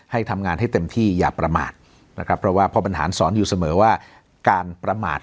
ให้ทำงานให้เต็มที่อย่าประมาทนะครับเพราะว่าพ่อบรรหารสอนอยู่เสมอว่าการประมาท